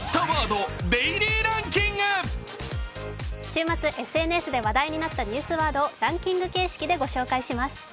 週末、ＳＮＳで話題になったニュースワードをランキング形式で御紹介します。